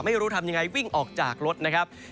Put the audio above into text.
ไม่รู้ทำยังไงวิ่งออกจากรถนะครับ